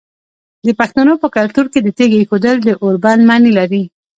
د پښتنو په کلتور کې د تیږې ایښودل د اوربند معنی لري.